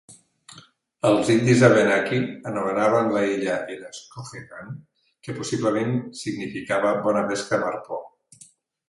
Els indis Abenaki anomenaven la illa Erascohegan, que possiblement significava "bona pesca amb arpó".